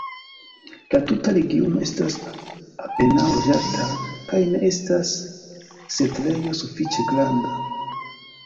La tuta regiono estas apenaŭ loĝata kaj ne estas setlejo sufiĉe granda.